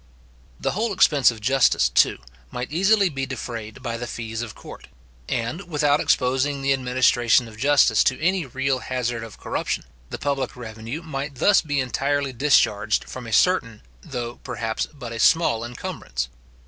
The whole expense of justice, too, might easily be defrayed by the fees of court; and, without exposing the administration of justice to any real hazard of corruption, the public revenue might thus be entirely discharged from a certain, though perhaps but a small incumbrance.